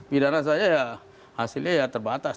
pidana saya ya hasilnya ya terbatas